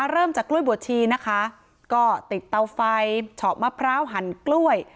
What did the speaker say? เริ่มจากกล้วยบัวชีนะคะก็ติดเตาไฟเฉาะมะพร้าวหั่นกล้วย